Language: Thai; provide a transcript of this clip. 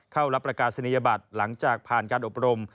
เข้ารับประกาศนียบัตรหลังจากผ่านการอบรม